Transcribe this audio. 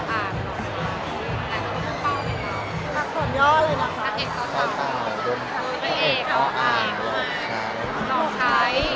เหลือค่ะ